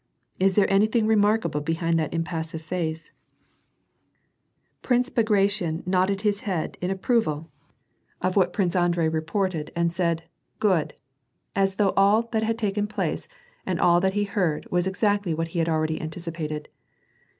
" Is there anything remark able behind that impassive face ?" Prince Bagration nodded his head in approval of what WAR AND PEACE. 213 Prince Andrei reported, and said, "Good!" as though all that had taken place and all that he heard was exactly what he had already anticipated.